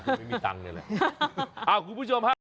ปัญหาคือไม่มีตังค์นี่แหละ